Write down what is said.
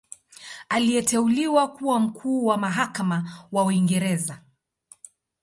Aliteuliwa kuwa Mkuu wa Mahakama wa Uingereza.